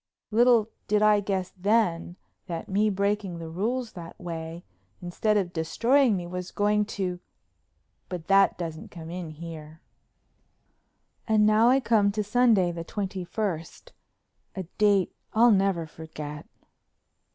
Little did I guess then that me breaking the rules that way, instead of destroying me was going to——But that doesn't come in here. And now I come to Sunday the twenty first, a date I'll never forget.